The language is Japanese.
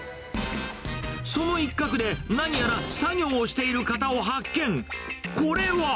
その一角で、何やら作業をしている方を発見。